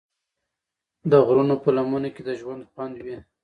د غرونو په لمنو کې د ژوند خوند وي.